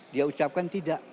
dia ucapkan tidak